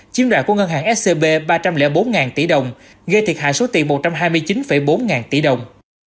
chiếm đoại của ngân hàng scb ba trăm linh bốn tỷ đồng gây thiệt hại số tiền một trăm hai mươi chín bốn ngàn tỷ đồng